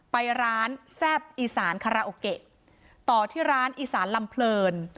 ไปร้านแซ่บอีสานคาราโอเกะต่อที่ร้านอีสานลำเพลิน